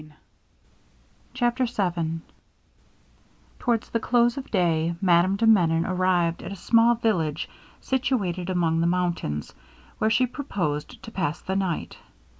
I] CHAPTER VII Towards the close of day Madame de Menon arrived at a small village situated among the mountains, where she purposed to pass the night.